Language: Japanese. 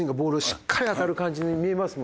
しっかり当たる感じに見えますもんね。